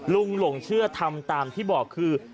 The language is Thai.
หลงเชื่อทำตามที่บอกคือ